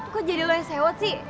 kok jadi lo yang sewot sih